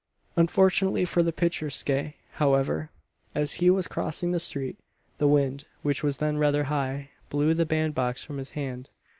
Unfortunately for the picturesque, however, as he was crossing the street, the wind, which was then rather high, blew the band box from his hand.